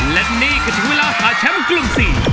และทีนี้ก็ถึงเวลาขาดแชมป์กลุ่มสี่